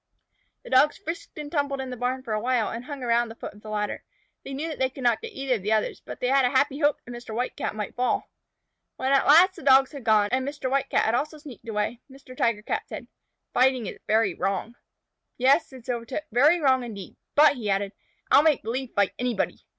The Dogs frisked and tumbled in the barn for a while and hung around the foot of the ladder. They knew they could not get either of the others, but they had a happy hope that Mr. White Cat might fall. When at last the Dogs had gone, and Mr. White Cat had also sneaked away, Mr. Tiger Cat said: "Fighting is very wrong." "Yes," replied Silvertip, "very wrong indeed. But," he added, "I'll make believe fight anybody."